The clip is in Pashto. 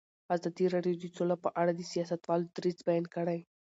ازادي راډیو د سوله په اړه د سیاستوالو دریځ بیان کړی.